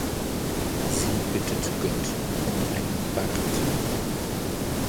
Sie bittet Gott um einen Bart.